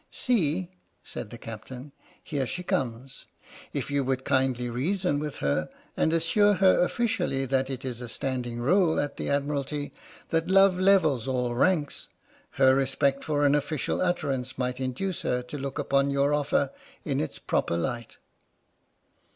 " See," said the Captain, " here she comes. If you would kindly reason with her and assure her officially, that it is a standing rule at the Admiralty that love levels all ranks, her respect for an official utterance might induce her to look upon your offer in its proper light."